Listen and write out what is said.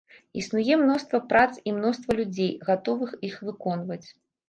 Існуе мноства прац і мноства людзей, гатовых іх выконваць.